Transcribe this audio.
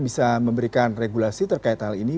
bisa memberikan regulasi terkait hal ini